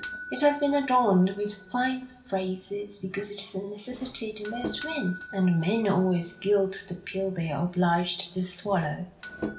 It has been adorned with fine phrases, because it is a necessity to most men, and men always gild the pill they're obliged to swallow.